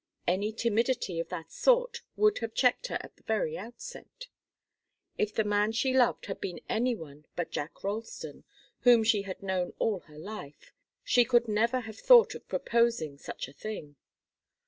Any timidity of that sort would have checked her at the very outset. If the man she loved had been any one but Jack Ralston, whom she had known all her life, she could never have thought of proposing such a thing.